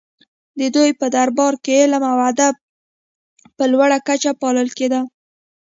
د دوی په دربارونو کې علم او ادب په لوړه کچه پالل کیده